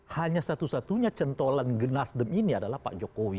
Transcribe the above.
hanya satu satunya centolan nasdem ini adalah pak jokowi